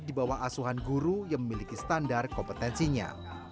di bawah asuhan guru yang memiliki standar kompetensinya